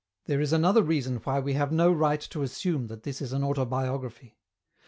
There is another reason why we have no right to assume that this is an autobiography.